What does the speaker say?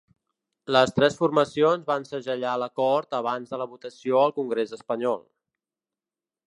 Les tres formacions van segellar l’acord abans de la votació al congrés espanyol.